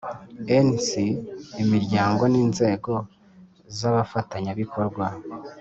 Nc imiryango n inzego zabafatanya bikorwa